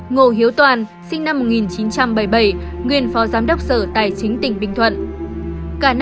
hai ngô hiếu toàn sinh năm một nghìn chín trăm bảy mươi bảy nguyên phó giám đốc sở tài chính tỉnh bình thuận